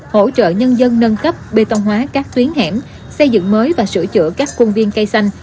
hỗ trợ nhân dân nâng cấp bê tông hóa các tuyến hẻm xây dựng mới và sửa chữa các công viên cây xanh